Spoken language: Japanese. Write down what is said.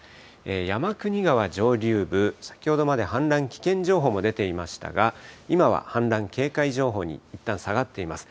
山国川上流部、先ほどまで氾濫危険情報も出ていましたが、今は氾濫警戒情報にいったん、下がっています。